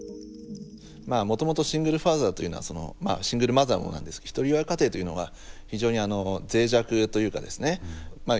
まあもともとシングルファーザーというのはそのまあシングルマザーもなんですけどひとり親家庭っていうのは非常に脆弱というかですね